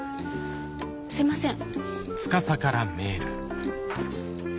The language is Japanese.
すいません。